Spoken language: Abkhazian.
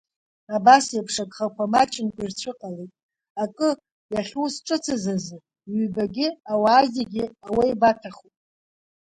Абас еиԥш агхақәа маҷымкәа ирцәыҟалеит, акы, иахьусҿыцыз азы, ҩбагьы, ауаа зегьы ауеибаҭахыху.